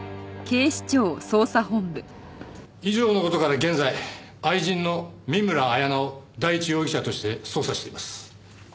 以上の事から現在愛人の見村彩那を第一容疑者として捜査しています。